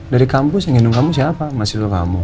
dari kampus yang gendong kamu siapa masih dulu kamu